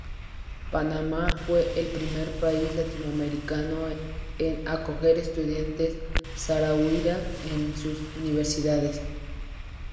Panamá fue el primer país latinoamericano en acoger estudiantes saharauis en sus universidades.